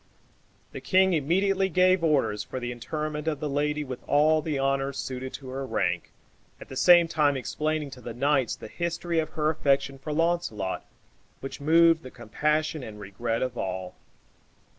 The king immediately gave orders for the interment of the lady with all the honors suited to her rank, at the same time explaining to the knights the history of her affection for Launcelot, which moved the compassion and regret of all.